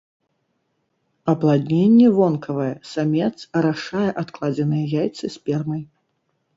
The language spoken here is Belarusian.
Апладненне вонкавае, самец арашае адкладзеныя яйцы спермай.